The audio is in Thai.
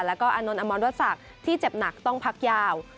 แล้วก็อานนท์อมรดศักดิ์ที่เจ็บหนักต้องพักยาว